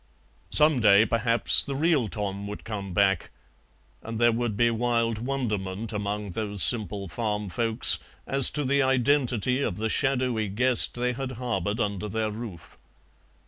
Some day perhaps the real Tom would come back, and there would be wild wonderment among those simple farm folks as to the identity of the shadowy guest they had harboured under their roof.